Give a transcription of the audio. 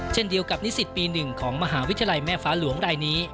เช่นเดียวกับนิสิตปี๑ของมหาวิทยาลัยแม่ฟ้าหลวงรายนี้